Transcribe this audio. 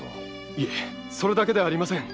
いえそれだけではありません！